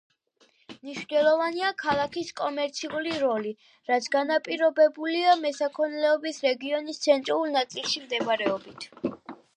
მნიშვნელოვანია ქალაქის კომერციული როლი, რაც განპირობებულია მესაქონლეობის რეგიონის ცენტრალურ ნაწილში მდებარეობით.